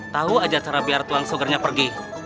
tahu aja cara biar tuang sugernya pergi